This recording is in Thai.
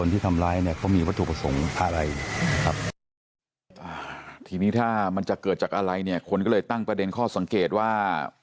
ทีนี้ถ้ามันจะเกิดจากอะไรเนี่ยคนก็เลยตั้งประเด็นข้อสังเกตว่า